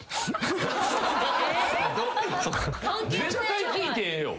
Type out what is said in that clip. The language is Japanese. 絶対聞いてええよ。